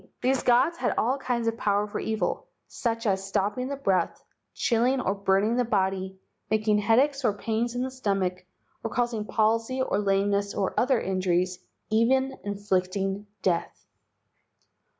These gods had all kinds of power for evil, such as stopping the breath, chilling or burning the body, making headaches or pains in the stomach, KA LAI PA HO A, THE POISON GOD in or causing palsy or lameness or other injuries, even inflicting death.